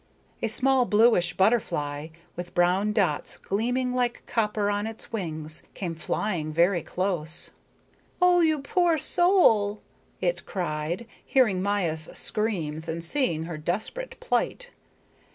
A small bluish butterfly, with brown dots gleaming like copper on its wings, came flying very close. "Oh, you poor soul," it cried, hearing Maya's screams and seeing her desperate plight.